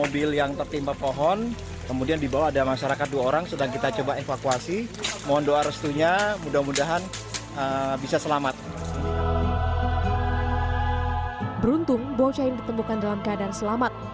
beruntung bocah yang ditemukan dalam keadaan selamat